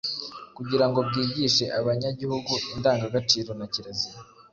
kugira ngo bwigishe abanyagihugu indangagaciro na kirazira